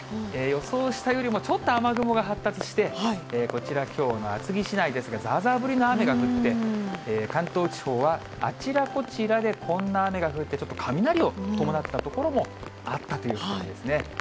予想したよりも、ちょっと雨雲が発達して、こちら、きょうの厚木市内ですが、ざーざー降りの雨が降って、関東地方はあちらこちらでこんな雨が降って、ちょっと雷を伴った所もあったという感じですね。